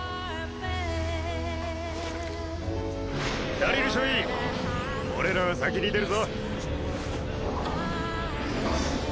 ダリル少尉俺らは先に出るぞ。